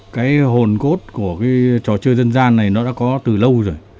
cái hồn cốt của cái trò chơi dân gian này nó đã có từ lâu rồi